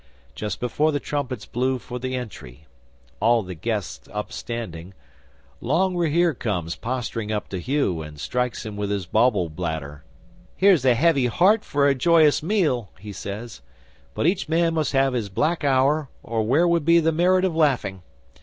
Just before the trumpets blew for the Entry all the guests upstanding long Rahere comes posturing up to Hugh, and strikes him with his bauble bladder. '"Here's a heavy heart for a joyous meal!" he says. "But each man must have his black hour or where would be the merit of laughing?